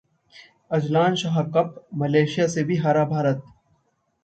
Azlan Shah cup: Malaysia से भी हारा भारत